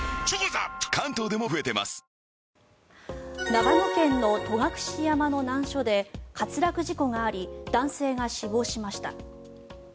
長野県の戸隠山の難所で滑落事故があり男性が死亡しました。